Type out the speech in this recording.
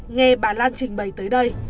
nghe bà lan trình bày tới đây